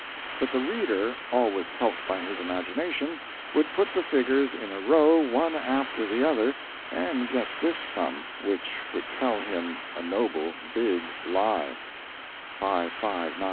But the reader always helped by his imagination would put the figures in a row one after the other, and get this sum, which would tell him a noble big lie: 559575255555.